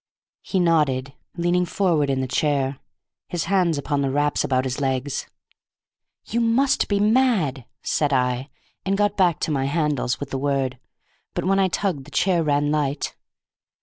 He nodded, leaning forward in the chair, his hands upon the wraps about his legs. "You must be mad," said I, and got back to my handles with the word, but when I tugged the chair ran light.